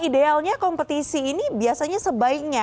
idealnya kompetisi ini biasanya sebaiknya